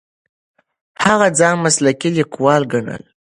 هغه ځان مسلکي لیکواله ګڼله.